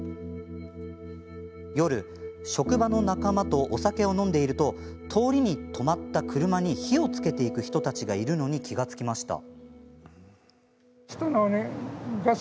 夜、職場の仲間とお酒を飲んでいると通りに止まった車に火をつけていく人たちがいるのに気が付きました。